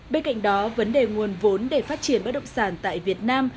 bên cạnh đó vấn đề nguồn vốn để phát triển bất động sản tại việt nam